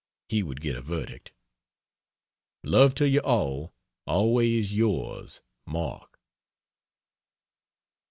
(He would get a verdict.) Love to you all! Always Yours MARK.